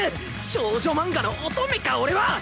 少女漫画の乙女か俺は！